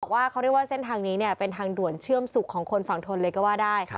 ว่าเขาเรียกว่าเส้นทางนี้เป็นทางด่วนเชื่อมสุขของคนฝั่งทนเลยก็ว่าได้